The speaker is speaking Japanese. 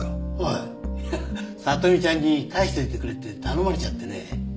いや聡美ちゃんに返しておいてくれって頼まれちゃってね。